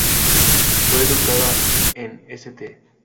Fue educada en St.